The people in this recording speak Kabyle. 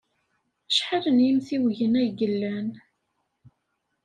Acḥal n yimtiwgen ay yellan?